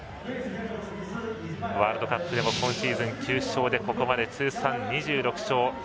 ワールドカップでも今シーズン９勝でここまで通算２６勝。